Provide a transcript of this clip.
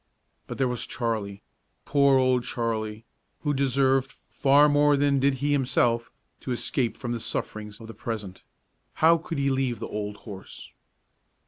But there was Charlie, poor Old Charlie! who deserved, far more than did he himself, to escape from the sufferings of the present. How could he leave the old horse?